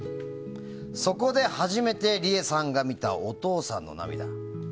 そこで初めてリエさんが見たお父さんの涙。